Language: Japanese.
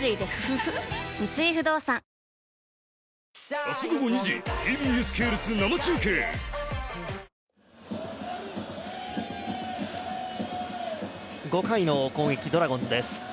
三井不動産５回の攻撃、ドラゴンズです。